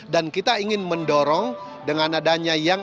dan kita ingin mendorong dengan adanya yang